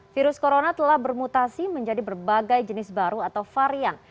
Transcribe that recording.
virus corona telah bermutasi menjadi berbagai jenis baru atau varian